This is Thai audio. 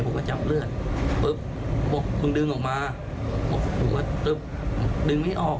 ผมก็จับเลือดปุ๊บบอกมึงดึงออกมาบอกผมก็ดึงไม่ออก